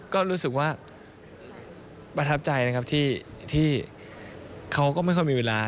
ก็รู้สึกว่าประทับใจนะครับที่เขาก็ไม่ค่อยมีเวลา